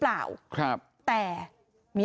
พระต่ายสวดมนต์